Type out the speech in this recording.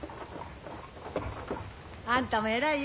あんたも偉いよ